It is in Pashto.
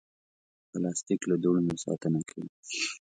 پلاستيک له دوړو نه ساتنه کوي.